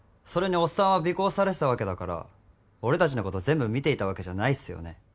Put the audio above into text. それにおっさんは尾行されてたわけだから俺たちのこと全部見ていたわけじゃないっすよね？